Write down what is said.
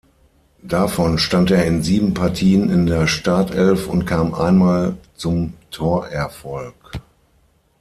Davon stand er in sieben Partien in der Startelf und kam einmal zum Torerfolg.